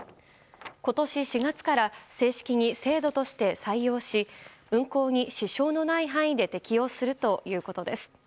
今年４月から正式に制度として採用し運航に支障のない範囲で適用するということです。